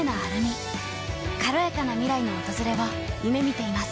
軽やかな未来の訪れを夢みています。